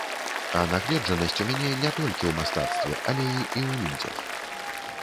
А нагледжанасць у мяне не толькі ў мастацтве, але і і ў людзях.